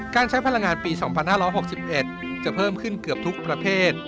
การใช้พลังงานปี๒๕๖๑จะเพิ่มขึ้นเกือบทุกประเภท